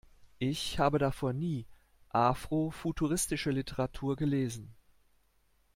Ich habe davor nie afrofuturistische Literatur gelesen.